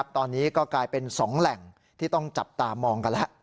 ตอนนี้ก็กลายเป็น๒แหล่งที่ต้องจับตามองกันแล้ว